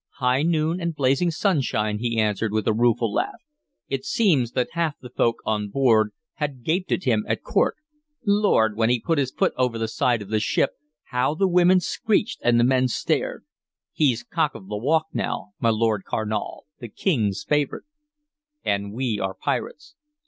"High noon and blazing sunshine," he answered, with a rueful laugh. "It seems that half the folk on board had gaped at him at court. Lord! when he put his foot over the side of the ship, how the women screeched and the men stared! He 's cock of the walk now, my Lord Carnal, the King's favorite!" "And we are pirates."